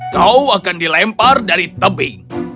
kau akan dilempar dari tebing